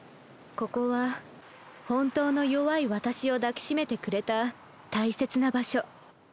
ここは本当の弱い私を抱き締めてくれた大切な場所。